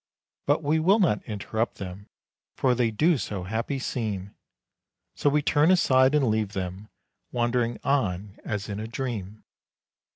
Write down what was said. But we will not interrupt them; for they do so happy seem So we turn aside and leave them wandering on as in a dream.